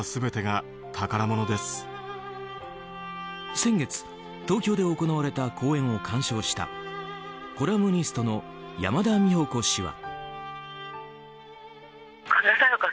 先月、東京で行われた公演を鑑賞したコラムニストの山田美保子氏は。